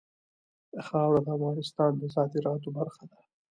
خاوره د افغانستان د صادراتو برخه ده.